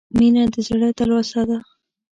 • مینه د زړه تلوسه ده.